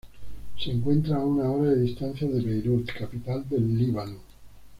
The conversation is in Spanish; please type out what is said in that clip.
Se encuentra a una hora de distancia de Beirut, capital del Líbano.